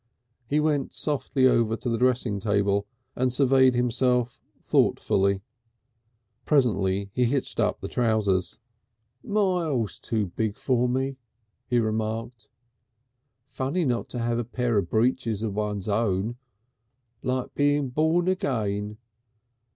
He went softly over to the dressing table and surveyed himself thoughtfully. Presently he hitched up the trousers. "Miles too big for me," he remarked. "Funny not to have a pair of breeches of one's own.... Like being born again.